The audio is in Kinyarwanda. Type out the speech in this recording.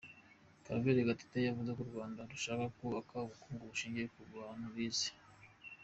Claver Gatete, yavuze ko u Rwanda rushaka kubaka ubukungu bushingiye ku bantu bize.